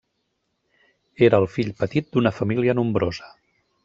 Era el fill petit d'una família nombrosa.